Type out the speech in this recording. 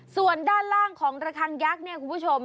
ส่วนด้านล่างของระคังยักษ์เนี่ยคุณผู้ชม